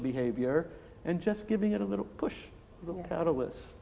dan memberinya sedikit tekanan